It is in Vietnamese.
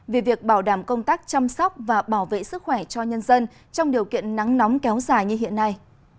về việc bảo đảm công tác chăm sóc và bảo vệ sức khỏe cho nhân dân trong điều kiện nắng nóng kéo dài như hiện nay